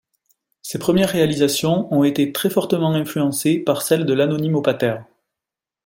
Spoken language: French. Ses premières réalisations ont été très fortement influencées par celles de l'Anonyme aux patères.